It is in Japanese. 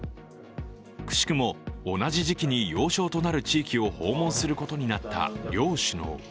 くしくも同じ時期に要衝となる地域を訪問することになった両首脳。